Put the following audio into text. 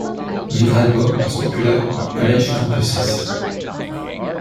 The album was popular on college campuses.